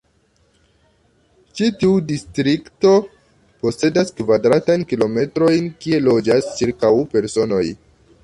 Ĉi tiu distrikto posedas kvadratajn kilometrojn, kie loĝas ĉirkaŭ personoj.